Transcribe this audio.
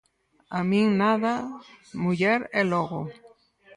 –A min nada, muller, ¿e logo?